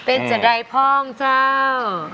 เป็นจะไหนพร้อมเจ้า